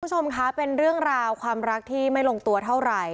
คุณผู้ชมคะเป็นเรื่องราวความรักที่ไม่ลงตัวเท่าไหร่